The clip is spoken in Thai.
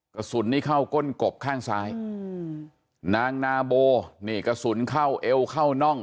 กระสุนนี้เข้าก้นกบข้างซ้ายอืมนางนาโบนี่กระสุนเข้าเอวเข้าน่อง